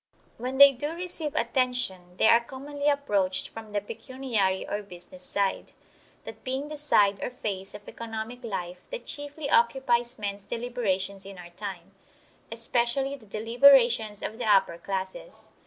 When they do receive attention they are commonly approached from the pecuniary or business side; that being the side or phase of economic life that chiefly occupies men's deliberations in our time, especially the deliberations of the upper classes.